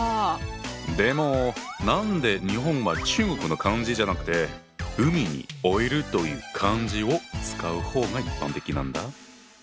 でも何で日本は中国の漢字じゃなくて海に老いるという漢字を使う方が一般的なんだ？